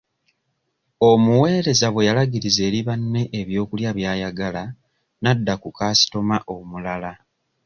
Omuweereza bwe yalagiriza eri banne ebyokulya by'ayagala nadda ku kaasitoma omulala.